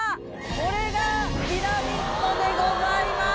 これがピラミッドでございます！